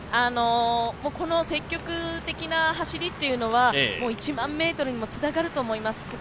この積極的な走りは１００００ｍにもつながると思います。